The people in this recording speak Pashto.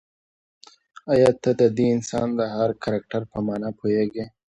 ایا ته د دې داستان د هر کرکټر په مانا پوهېږې؟